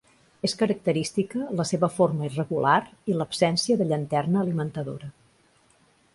És característica la seva forma irregular i l'absència de llanterna alimentadora.